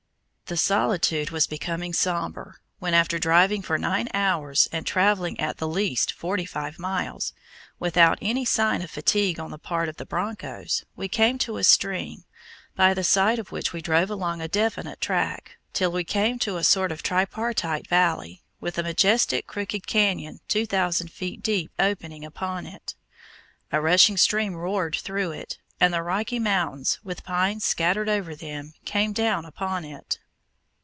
The solitude was becoming somber, when, after driving for nine hours, and traveling at the least forty five miles, without any sign of fatigue on the part of the broncos, we came to a stream, by the side of which we drove along a definite track, till we came to a sort of tripartite valley, with a majestic crooked canyon 2,000 feet deep opening upon it. A rushing stream roared through it, and the Rocky Mountains, with pines scattered over them, came down upon it.